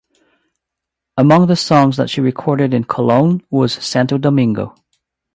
Among the songs she recorded in Cologne was "Santo Domingo".